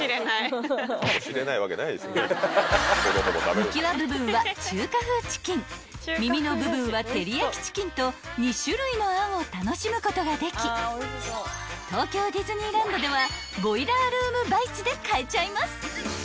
［浮輪部分は中華風チキン耳の部分は照り焼きチキンと２種類のあんを楽しむことができ東京ディズニーランドではボイラールーム・バイツで買えちゃいます］